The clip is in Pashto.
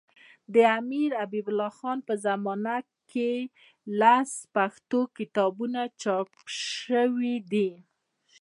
د امیرحبیب الله خان په زمانه کي لس پښتو کتابونه چاپ سوي دي.